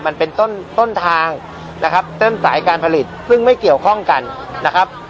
มันเป็นต้นต้นทางนะครับต้นสายการผลิตซึ่งไม่เกี่ยวข้องกันนะครับ